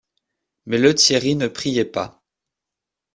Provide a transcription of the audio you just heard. Mais Lethierry ne priait pas.